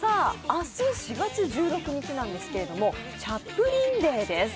明日、４月１６日なんですがチャップリン・デーです。